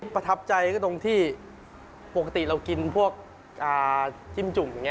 ประทับใจก็ตรงที่ปกติเรากินพวกจิ้มจุ่มอย่างนี้